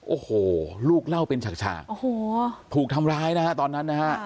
โอ้โหลูกเล่าเป็นฉากโอ้โหถูกทำร้ายนะฮะตอนนั้นนะฮะ